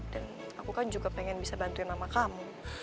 dan aku kan juga pengen bisa bantuin mama kamu